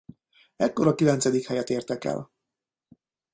Ekkor a kilencedik helyet érték el.